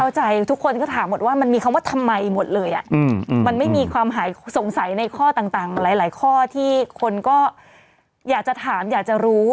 ทุกคนก็ถามหมดว่ามันมีคำว่าทำไมหมดเลยอ่ะมันไม่มีความหายสงสัยในข้อต่างหลายข้อที่คนก็อยากจะถามอยากจะรู้